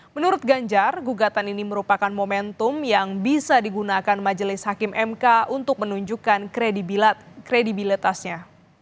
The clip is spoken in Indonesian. menurut ganjar gugatan ini merupakan momentum yang bisa digunakan majelis hakim mk untuk menunjukkan kredibilitasnya